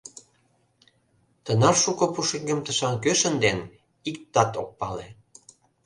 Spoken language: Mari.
Тынар шуко пушеҥгым тышан кӧ шынден, иктат ок пале.